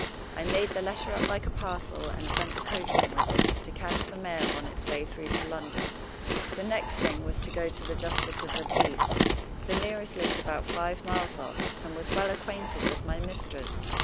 I made the letter up like a parcel, and sent the coachman with it to catch the mail on its way through to London. The next thing was to go to the justice of the peace. The nearest lived about five miles off, and was well acquainted with my mistress.